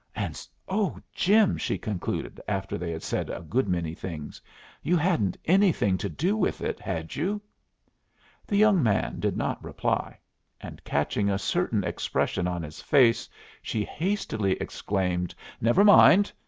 "And oh, Jim," she concluded, after they had said a good many things, "you hadn't anything to do with it, had you?" The young man did not reply, and catching a certain expression on his face, she hastily exclaimed: "Never mind!